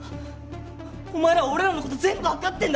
お前らは俺らの事全部わかってんだろ？